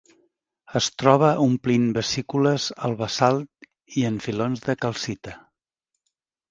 Es troba omplint vesícules al basalt i en filons de calcita.